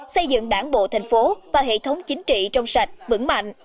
xây dựng đảng bộ thành phố và hệ thống chính trị trong sạch vững mạnh